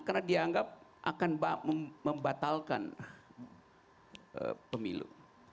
karena dianggap akan membatalkan pemilu